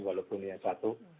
walaupun yang satu